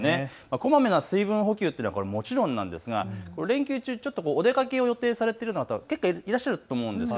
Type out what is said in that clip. こまめな水分補給、もちろんなんですが連休中ちょっとお出かけを予定される方、結構いらっしゃると思うんです。